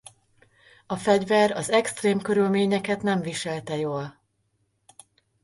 A fegyver az extrém körülményeket nem viselte jól.